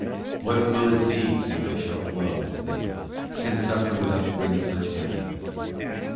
VIII What will it be when I shall dwell with Thee, Since suffering doth bring such happiness